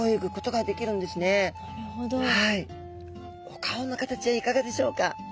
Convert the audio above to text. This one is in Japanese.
お顔の形はいかがでしょうか？